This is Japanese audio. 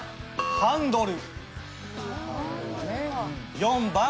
ハンドル。